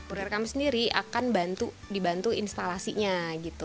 urier kami sendiri akan dibantu instalasinya gitu